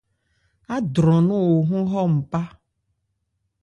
Ádwran nɔn o hɔn hɔ npá.